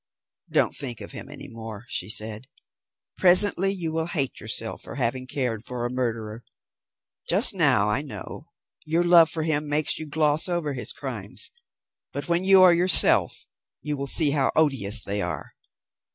"Don't think of him any more," she said. "Presently you will hate yourself for having cared for a murderer. Just now, I know, your love for him makes you gloss over his crimes, but when you are yourself you will see how odious they are.